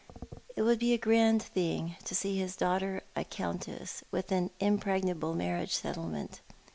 It would be a grand thing to see his daughter a countess, with an impregnable marriage settlement.